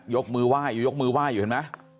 ยกมือไหว้อยู่ยกมือไหว้อยู่เห็นไหม